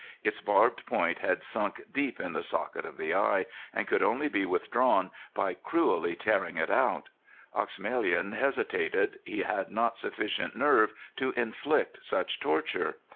Its barbed point had sunk deep in the socket of the eye, and could only be withdrawn by cruelly tearing it out. Oexemelin hesitated; he had not sufficient nerve to inflict such torture.